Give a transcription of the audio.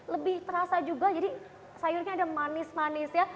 lebih terasa juga jadi sayurnya ada manis manis ya